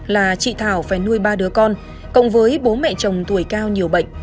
là chị thảo phải nuôi ba đứa con cộng với bố mẹ chồng tuổi cao nhiều bệnh